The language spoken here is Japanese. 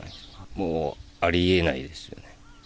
もう、ありえないですよね。